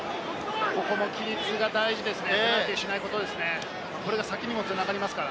ここも規律が大事ですね。